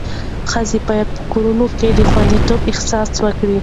ښځې باید په کورنۍ کې د خوندیتوب احساس وکړي.